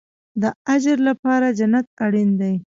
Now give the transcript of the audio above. د اجر لپاره جنت اړین دی